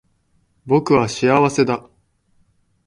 僕は幸せだ